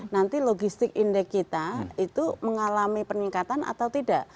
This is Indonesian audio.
nanti logistik indeks kita itu mengalami peningkatan atau tidak